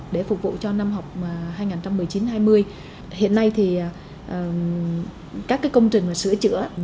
để phục vụ cho năm học hai nghìn một mươi chín hai nghìn hai mươi hiện nay các công trình sửa chữa